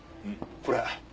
これ。